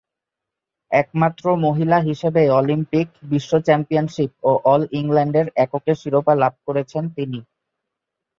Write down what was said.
একমাত্র মহিলা হিসেবে অলিম্পিক, বিশ্ব চ্যাম্পিয়নশিপ ও অল-ইংল্যান্ডের এককের শিরোপা লাভ করেছেন তিনি।